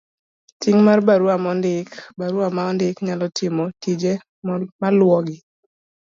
Ting ' mag barua ma ondik.barua ma ondik nyalo timo tije maluwogi.